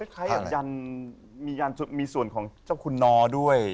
คล้ายอย่างยันทร์มียันทร์มีส่วนของเจ้าคุณนอด้วย